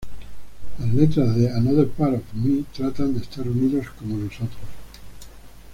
Las letras de "Another Part of Me" tratan de estar unidos, como "nosotros".